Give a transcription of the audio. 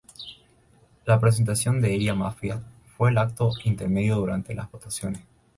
La presentación de Irie Maffia fue el acto intermedio durante las votaciones.